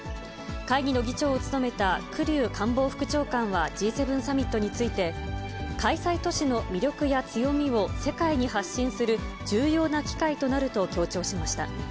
会議の議長を務めた栗生官房副長官はＧ７サミットについて、開催都市の魅力や強みを世界に発信する、重要な機会となると強調しました。